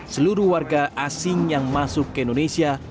seluruh warga asing yang masuk ke indonesia